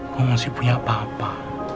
kamu masih punya papa